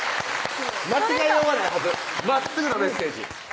間違えようがないはずまっすぐなメッセージ